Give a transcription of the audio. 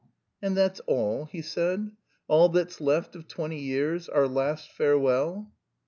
"And that's all?" he said. "All that's left of twenty years? Our last farewell?"